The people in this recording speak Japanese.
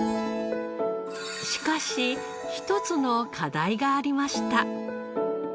しかし１つの課題がありました。